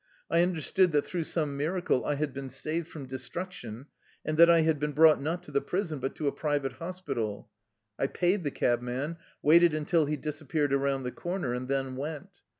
I understood that through some miracle I had been saved from destruction, and that I had been brought, not to the prison, but to a private hospital. I paid the cabman, waited until he disappeared around the corner, and then went.